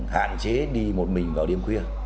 hạn chế đi một mình vào đêm khuya